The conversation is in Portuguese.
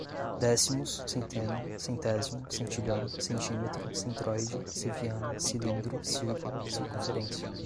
décimos, centena, centésimo, centilhão, centímetro, centroide, ceviana, cilindro, circulo, circunferência